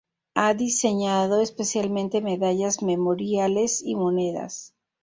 Ha diseñado especialmente medallas, memoriales y monedas.